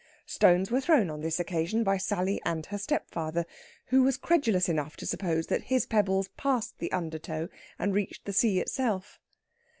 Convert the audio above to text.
Stones were thrown on this occasion by Sally and her stepfather, who was credulous enough to suppose that his pebbles passed the undertow and reached the sea itself.